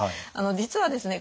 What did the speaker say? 実はですね